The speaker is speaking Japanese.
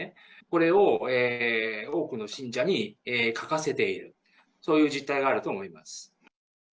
これを多くの信者に書かせている、そういう実態があると思います。